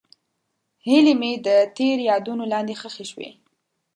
هیلې مې د تېر یادونو لاندې ښخې شوې.